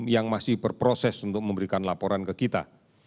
yang masih berproses untuk memberikan laporan ke kita